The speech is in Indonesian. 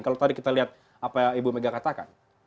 kalau tadi kita lihat apa yang ibu mega katakan